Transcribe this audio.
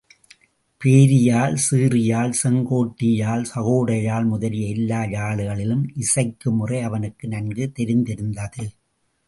பேரியாழ், சீறியாழ், செங்கோட்டியாழ், சகோடயாழ் முதலிய எல்லா யாழ்களிலும் இசைக்கும் முறை அவனுக்கு நன்கு தெரிந்திருந்தது.